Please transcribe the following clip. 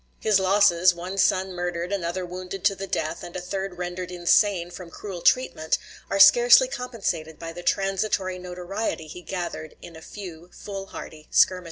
His losses, one son murdered, another wounded to the death, and a third rendered insane from cruel treatment, are scarcely compensated by the transitory notoriety he gathered in a few fool hardy skirmishes.